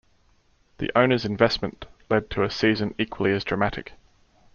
The owners' investment led to a season equally as dramatic.